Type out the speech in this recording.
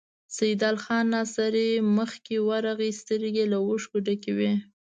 سيدال خان ناصري مخکې ورغی، سترګې يې له اوښکو ډکې وې.